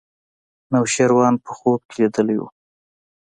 نوشیروان په خوب کې لیدلی و.